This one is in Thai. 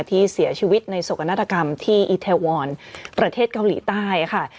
ที่เสียชีวิตในโศกนาฏกรรมที่อิเทวอนประเทศเกาหลีใต้ค่ะ